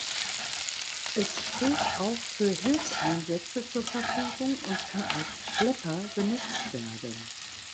Es steht auch für Hilfseinsätze zur Verfügung und kann als Schlepper genutzt werden.